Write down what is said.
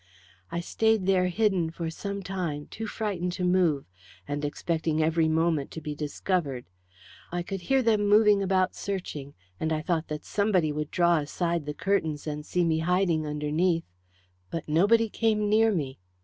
"I stayed there hidden for some time, too frightened to move, and expecting every moment to be discovered. I could hear them moving about searching, and I thought that somebody would draw aside the curtains and see me hiding underneath. But nobody came near me.